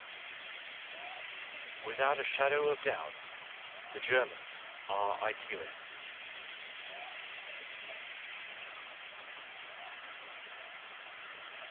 Without a shadow of doubt the Germans are idealists.